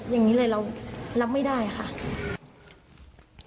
อย่างนี้เลยเรารับไม่ได้ค่ะ